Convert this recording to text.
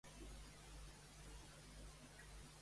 I la filla de Driops com es deia?